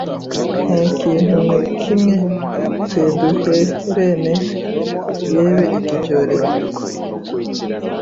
nte kintu ne kimwe cyeduherene yebe iki cyorezo